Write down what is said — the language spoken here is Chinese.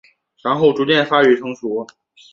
然后逐渐发育成熟。